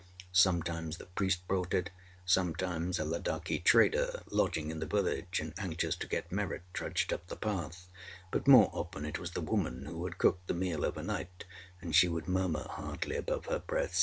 Sometimes the priest brought it; sometimes a Ladakhi trader, lodging in the village, and anxious to get merit, trudged up the path; but, more often, it was the woman who had cooked the meal overnight; and she would murmur, hardly above her breath.